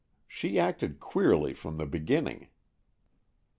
She acted queerly from the beginning."